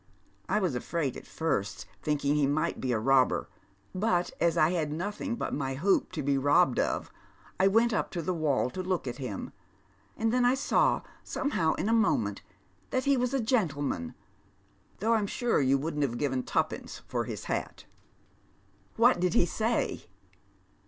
I was afraid at first, thinking he might be a robber, but as I had nothing but my hoop to be robbed of I went up to the wall to look at him, and then I saw somehow in a moment that he was a gentleman, though I am sure you wouldn't have given twopence for his hat." " What did he say